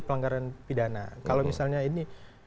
pelanggaran pidana kalau misalnya ini